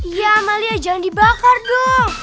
ya amalia jangan dibakar dong